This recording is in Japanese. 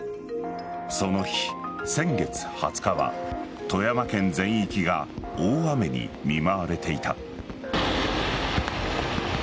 その日、先月２０日は富山県全域が大雨に見舞われていた。